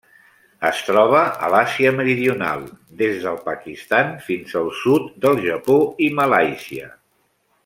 Es troba a l'Àsia Meridional: des del Pakistan fins al sud del Japó i Malàisia.